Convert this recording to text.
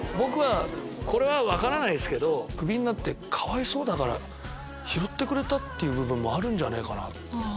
これは分からないですけどクビになってかわいそうだから拾ってくれたっていう部分もあるんじゃねえかなって。